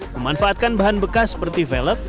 memanfaatkan bahan bekas seperti velop